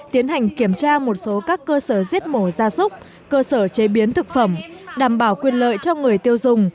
tiến hành kiểm tra một số các cơ sở giết mổ ra súc cơ sở chế biến thực phẩm đảm bảo quyền lợi cho người tiêu dùng